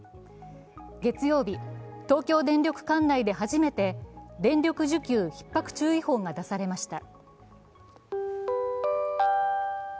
月曜日、東京電力管内で初めて電力需給ひっ迫注意報が出されました。